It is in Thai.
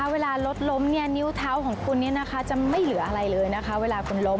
เวลารถล้มนิ้วเท้าของคุณจะไม่เหลืออะไรเลยนะคะเวลาคุณล้ม